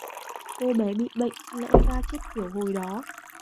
Cô bé bị bệnh lẽ ra chết tiểu hồi đó